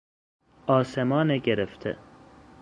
آسمان گرفته